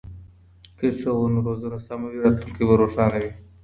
که ښوونه او روزنه سمه وي راتلونکی به روښانه وي.